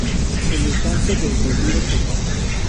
El Estanque del Retiro seco.